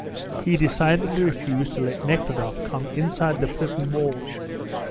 He decidedly refused to let Nekhludoff come inside the prison walls.